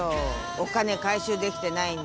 お金回収できてないんで。